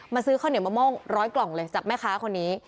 ซื้อข้าวเหนียวมะม่วงร้อยกล่องเลยจากแม่ค้าคนนี้